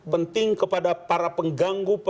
penting kepada para pengganggu